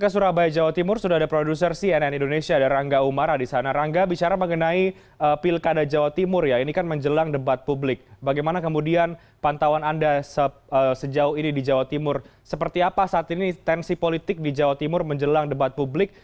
sejauh ini di jawa timur seperti apa saat ini tensi politik di jawa timur menjelang debat publik